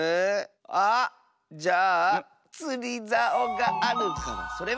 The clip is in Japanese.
あじゃあつりざおがあるからそれは？